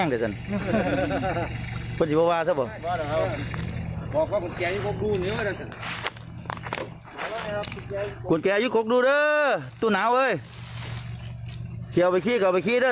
เคยเอาไปขี้กับเอาไปขี้เด้อ